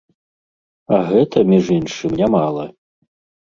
А гэта, між іншым, нямала!